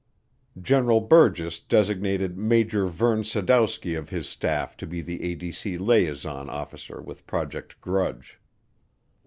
General Burgess designated Major Verne Sadowski of his staff to be the ADC liaison officer with Project Grudge.